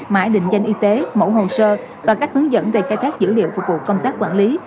mã định danh y tế mẫu hồ sơ và các hướng dẫn về khai thác dữ liệu phục vụ công tác quản lý